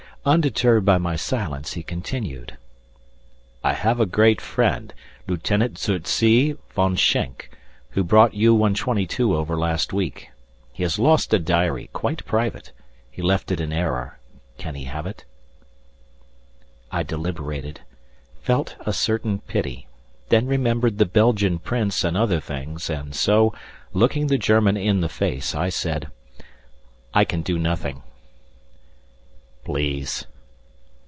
Undeterred by my silence, he continued: "I have a great friend, Lieutenant zu See Von Schenk, who brought U.122 over last week; he has lost a diary, quite private, he left it in error; can he have it?" I deliberated, felt a certain pity, then remembered the Belgian Prince and other things, and so, looking the German in the face, I said: "I can do nothing." "Please."